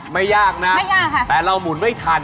ไม่ยากนะแต่เรามุนไม่ทัน